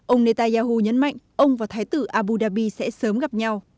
ông netanyahu nhấn mạnh ông và thái tử abu dhabi sẽ sớm gặp nhau